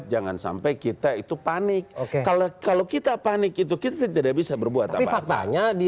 jangan sampai kita itu panik kalau kalau kita panik itu kita tidak bisa berbuat apa faktanya di